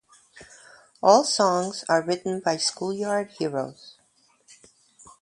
All songs are written by Schoolyard Heroes.